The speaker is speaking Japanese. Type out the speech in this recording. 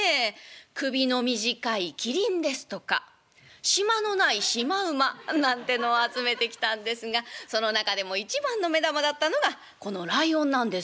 首の短いキリンですとかしまのないシマウマなんてのを集めてきたんですがその中でも一番の目玉だったのがこのライオンなんですよ」。